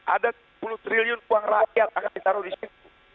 ada sepuluh triliun uang rakyat akan ditaruh di situ